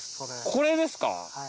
これですか？